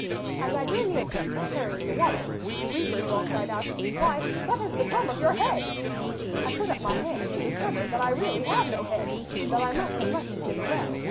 As I drew near them, carrying the water, the reapers all cried out, "Why, what has become of your head?" I put up my hand and discovered that I really had no head, and that I must have left it in the well.